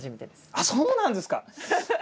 あっそうなんですか！